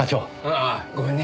ん？ああごめんね。